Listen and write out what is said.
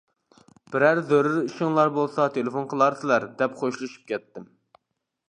بىرەر زۆرۈر ئىشىڭلار بولسا تېلېفون قىلارسىلەر دەپ خوشلىشىپ كەتتىم.